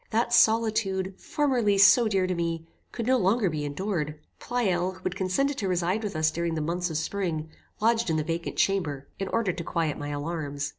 That solitude, formerly so dear to me, could no longer be endured. Pleyel, who had consented to reside with us during the months of spring, lodged in the vacant chamber, in order to quiet my alarms.